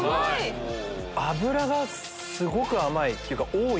脂がすごく甘い！っていうか多い。